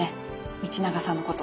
道永さんのこと。